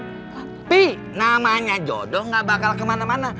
tapi namanya jodoh gak bakal kemana mana